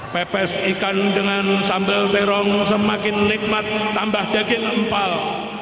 pepes ikan dengan sambal terong semakin nikmat tambah daging empal